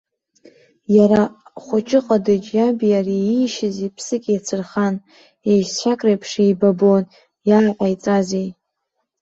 Иара хәыҷы ҟадыџь иаби ари иишьызи ԥсык еицырхан, еишьцәак реиԥш еибабон, иааҟаиҵазеи?